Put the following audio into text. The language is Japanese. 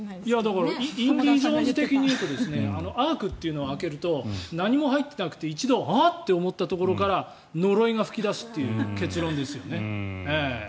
だから「インディ・ジョーンズ」的に言うとアークというのを開けると何も入ってなくて１度、あっ？と思ったところから呪いが噴き出すっていう結論ですよね。